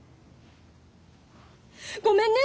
ごめんね！